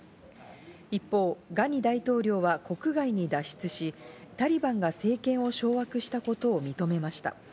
一方、ガニ大統領は国外に脱出し、タリバンが政権を掌握したことを認めました。